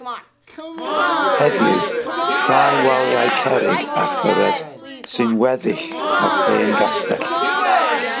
Heddiw, rhai waliau cerrig a thyred sy'n weddill o'r hen gastell.